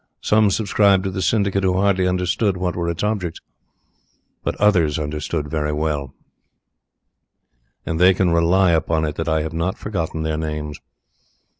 Some subscribed to the syndicate who hardly understood what were its objects. But others understood very well, and they can rely upon it that I have not forgotten their names.